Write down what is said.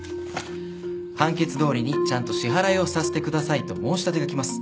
「判決どおりにちゃんと支払いをさせてください」と申し立てが来ます。